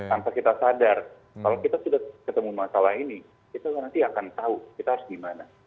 tanpa kita sadar kalau kita sudah ketemu masalah ini kita nanti akan tahu kita harus gimana